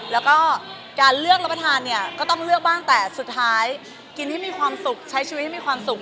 แล้วก็การเลือกรับประทานเนี่ยก็ต้องเลือกบ้างแต่สุดท้ายกินให้มีความสุขใช้ชีวิตให้มีความสุข